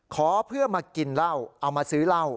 ขอเพื่อมากินเหล้าเอามาซื้อเหล้า